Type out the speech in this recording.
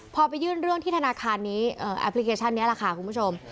พอไปยื่นเรื่องที่ธนาคารนี้แอปพลิเคชันนี้แหละค่ะคุณผู้ชม